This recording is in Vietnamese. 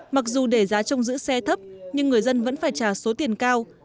mặc dù để giá trong giữ xe thấp nhưng người dân vẫn phải trả số tiền cao